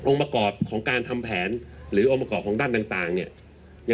ประกอบของการทำแผนหรือองค์ประกอบของด้านต่าง